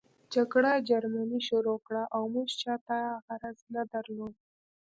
جګړه جرمني شروع کړه او موږ چاته غرض نه درلود